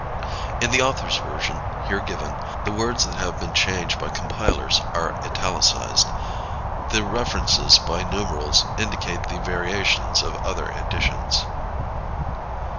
In the author's version, here given, the words that have been changed by compilers are italicized. The references by numerals indicate the variations of other editions.